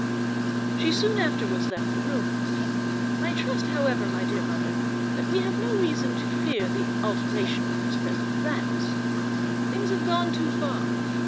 She soon afterwards left the room. I trust, however, my dear mother, that we have no reason to fear an alteration of his present plan; things have gone too far.